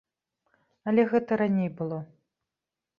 Але гэта раней было.